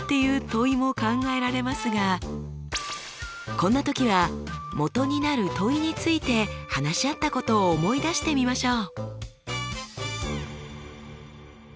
こんな時は元になる問いについて話し合ったことを思い出してみましょう。